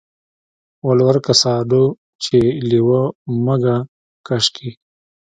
ول ورکه ساډو چې لېوه مږه کش کي.